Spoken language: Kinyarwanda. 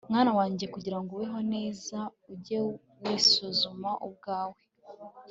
mwana wanjye, kugira ngo ubeho neza, ujye wisuzuma ubwawe